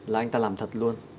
là anh ta làm thật luôn